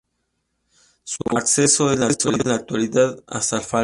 Su acceso es en la actualidad asfaltado.